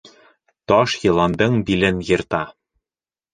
Таш йыландың билен йырта.